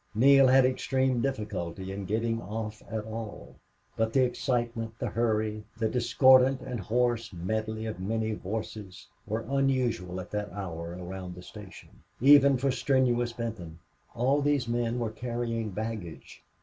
Neale had extreme difficulty in getting off at all. But the excitement, the hurry, the discordant and hoarse medley of many voices, were unusual at that hour around the station, even for strenuous Benton. All these men were carrying baggage.